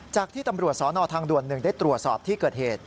ที่ตำรวจสนทางด่วน๑ได้ตรวจสอบที่เกิดเหตุ